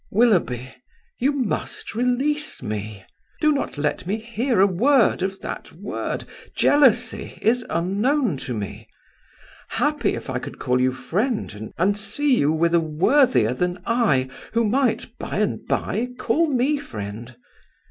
Willoughby, you must release me. Do not let me hear a word of that word; jealousy is unknown to me ... Happy if I could call you friend and see you with a worthier than I, who might by and by call me friend!